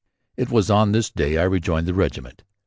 It was on this day that I rejoined the regiment.